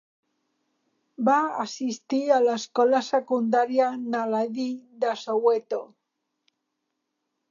Va assistir a l'escola secundària Naledi de Soweto.